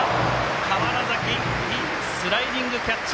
川原崎、スライディングキャッチ。